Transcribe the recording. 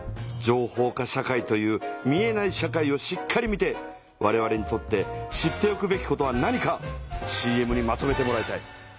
情報化社会という見えない社会をしっかり見てわれわれにとって知っておくべきことは何かＣＭにまとめてもらいたい。